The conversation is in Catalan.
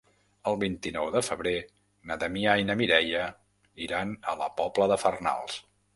El vint-i-nou de febrer na Damià i na Mireia iran a la Pobla de Farnals.